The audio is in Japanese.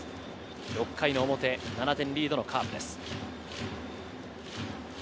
６回の表、７点リードのカープです。